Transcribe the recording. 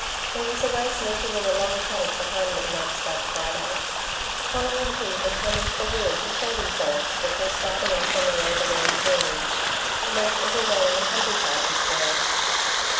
There was a race meeting in the long paddock behind McNab's that Friday. Conal and he had come into the Wirree to show themselves before starting off on their overland journey. Almost every man in the countryside was there.